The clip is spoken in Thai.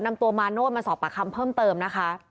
นำตัวมาโนธมาสอบปากคำเพิ่มเติมนะคะ